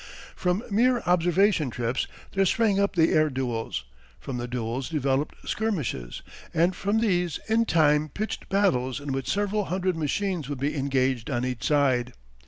From mere observation trips there sprang up the air duels, from the duels developed skirmishes, and from these in time pitched battles in which several hundred machines would be engaged on each side.